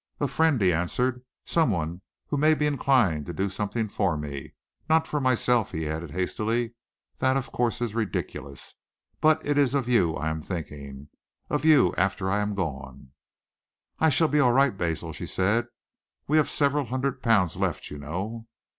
"A friend," he answered, "someone who may be inclined to do something for me, not for myself," he added hastily, "that, of course, is ridiculous but it is of you I am thinking, of you after I am gone." "I shall be all right, Basil," she said. "We have several hundred pounds left, you know."